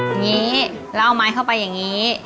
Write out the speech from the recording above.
อย่างนี้แล้วเอาไม้เข้าไปอย่างนี้